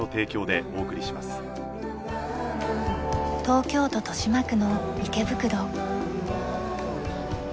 東京都豊島区の池袋。